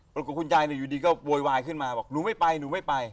คุณยายอยู่ดีก็โวยวายขึ้นมาบอกหนูไม่ไปหนูไม่ไป